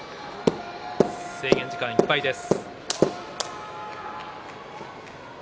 制限時間いっぱいです。